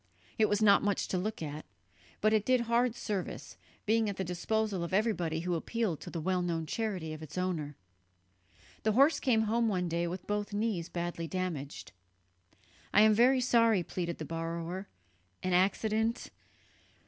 It was not much to look at, but it did hard service, being at the disposal of everybody who appealed to the well known charity of its owner. The horse came home one day with both knees badly damaged. "I am very sorry," pleaded the borrower, "an accident